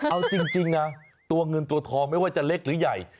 เอาจริงนะตัวเงินตัวทองไม่ว่าจะเล็กหรือใหญ่